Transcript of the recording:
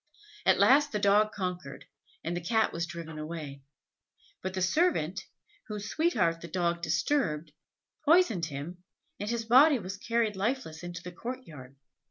At last the dog conquered, and the Cat was driven away; but the servant, whose sweetheart the dog disturbed, poisoned him, and his body was carried lifeless into the courtyard.